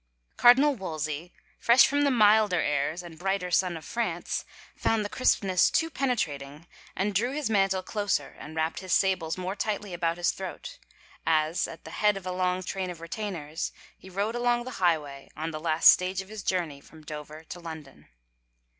Cardinal Wolsey, fresh from the milder airs and brighter sun of France, found the crispness too pene trating and drew his mantle closer and wrapped his sables more tightly about his throat, as, at the head of a long train of retainers, he rode along the highway, on the last stage of his journey from Dover to London.